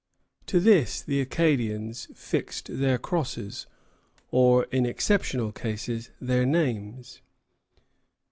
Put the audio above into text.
To this the Acadians affixed their crosses, or, in exceptional cases, their names.